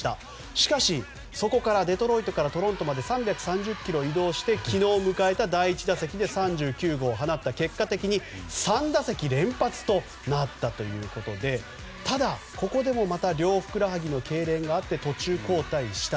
しかし、そこからデトロイトからトロントまで３３０ｋｍ移動して昨日迎えた第１打席で３９号を放って、結果的に３打席連発となったということでただ、ここでもまた両ふくらはぎのけいれんがあって途中交代した。